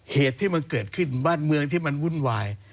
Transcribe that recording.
เหตุที่มันเกิดขึ้นบ้านเมืองที่มันวุ่นวาย